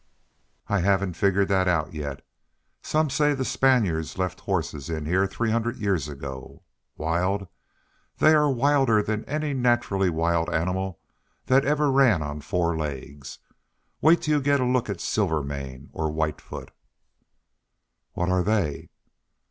"I haven't figured that out yet. Some say the Spaniards left horses in here three hundred years ago. Wild? They are wilder than any naturally wild animal that ever ran on four legs. Wait till you get a look at Silvermane or Whitefoot." "What are they?"